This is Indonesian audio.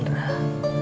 dia dia dia dia